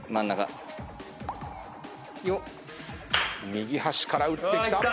右端から打ってきた。